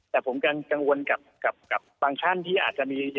แต่ผมกังวลกับบางท่านที่อาจจะมี